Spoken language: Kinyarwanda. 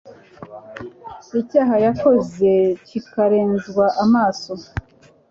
icyaha yakoze kikarenzwa amaso